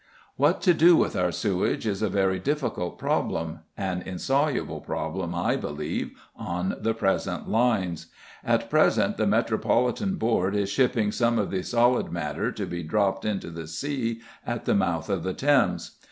What to do with our sewage is a very difficult problem an insoluble problem, I believe, on the present lines. At present the Metropolitan Board is shipping some of the solid matter to be dropped into the sea at the mouth of the Thames.